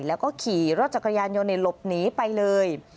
แล้วก็ขี่รถจักรยานยนต์หลบหนีไปเลย